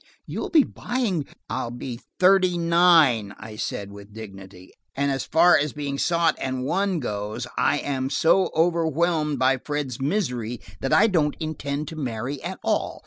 You'll be buying–" "I will be thirty nine," I said with dignity, "and as far as being sought and won goes, I am so overwhelmed by Fred's misery that I don't intend to marry at all.